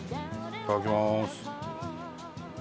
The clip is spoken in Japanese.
いただきます。